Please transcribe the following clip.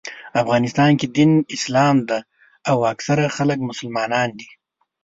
افغانستان کې دین اسلام دی او اکثریت خلک مسلمانان دي.